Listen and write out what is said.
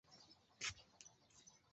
患者也有机会产生幻听幻觉。